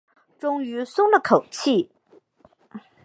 终于松了口气